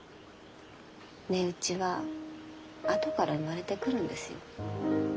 値打ちはあとから生まれてくるんですよ。